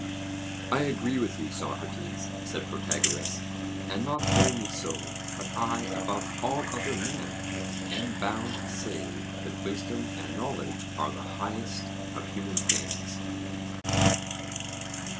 I agree with you, Socrates, said Protagoras; and not only so, but I, above all other men, am bound to say that wisdom and knowledge are the highest of human things.